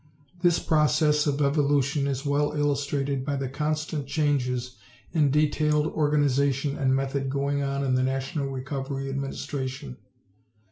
This process of evolution is well illustrated by the constant changes in detailed organization and method going on in the National Recovery Administration.